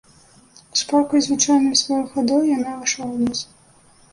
Шпаркаю звычайнаю сваёю хадою яна ўвайшла ў лес.